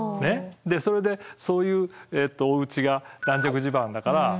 それでそういうおうちが軟弱地盤だから壊れる。